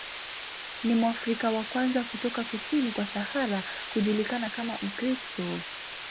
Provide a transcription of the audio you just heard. Ni Mwafrika wa kwanza kutoka kusini kwa Sahara kujulikana kama Mkristo.